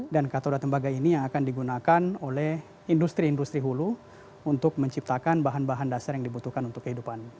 dan kathoda tembaga ini yang akan digunakan oleh industri industri hulu untuk menciptakan bahan bahan dasar yang dibutuhkan untuk kehidupan